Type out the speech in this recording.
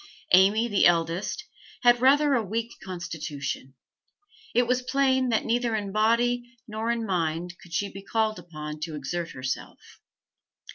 Amy, the eldest, had rather a weak constitution; it was plain that neither in body nor in mind could she be called upon to exert herself.